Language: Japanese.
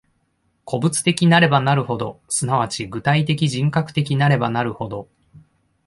個物的なればなるほど、即ち具体的人格的なればなるほど、